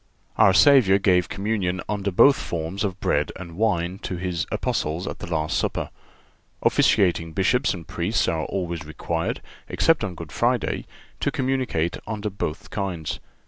Our Savior gave communion under both forms of bread and wine to His Apostles at the last Supper. Officiating Bishops and Priests are always required, except on Good Friday, to communicate under both kinds.